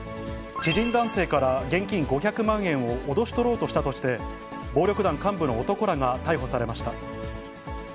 知人男性から現金５００万円を脅し取ろうとしたとして、暴力団幹部の男らが逮捕されました。